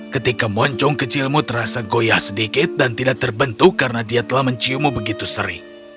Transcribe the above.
ketika moncong kecilmu terasa goyah sedikit dan tidak terbentuk karena dia telah menciummu begitu sering